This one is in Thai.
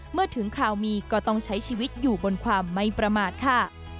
เมื่อถึงคราวมีก็ต้องใช้ชีวิตอยู่บนความไม่ประมาทค่ะ